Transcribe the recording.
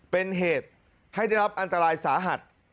เป็นเหตุให้ได้รับอันตรายสาหัส